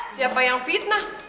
siapa yang fitnah